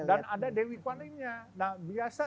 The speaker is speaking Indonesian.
dan ada dewi kwanimnya nah biasa